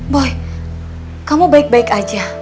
boy kamu baik baik aja